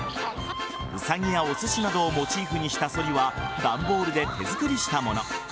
ウサギやおすしなどをモチーフにしたそりは段ボールで手作りしたもの。